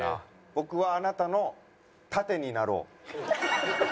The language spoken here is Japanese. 僕はあなたの盾になろう。